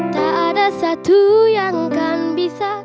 tak ada satu yang kan bisa